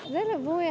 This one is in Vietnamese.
rất là vui